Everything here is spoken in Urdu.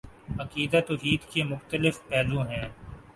عقیدہ توحید کے مختلف پہلو ہیں